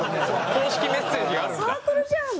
公式メッセージがあるんだ。